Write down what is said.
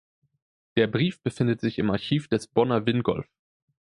Der Brief befindet sich im Archiv des Bonner Wingolf.